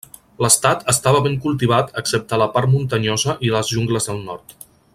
L'estat estava ben cultivat excepte a la part muntanyosa i a les jungles al nord.